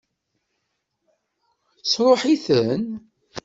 Tesṛuḥ-iten?